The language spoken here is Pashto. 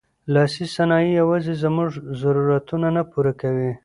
لاسي صنایع یوازې زموږ ضرورتونه نه پوره کوي.